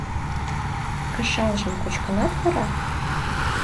Кышалжым кочкынат вара?